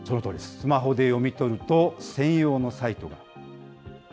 スマホで読み取ると、専用のサイトが。